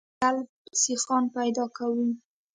په پای کې د سلب سیخان پیدا کوو